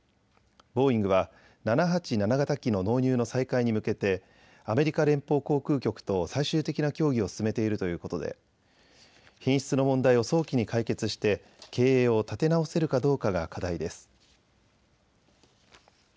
ボーイングは７８７型機の納入の再開に向けてアメリカ連邦航空局と最終的な協議を進めているということで品質の問題を早期に解決して経営を立て直せるかどうかが課題です。